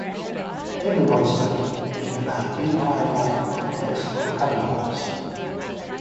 Everyone slept in a beehive like complex of cubbyholes.